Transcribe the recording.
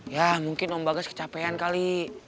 ya mungkin om bagas kecapean kali